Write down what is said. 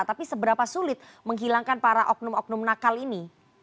tapi seberapa sulit menghilangkan para oknum oknum nakal ini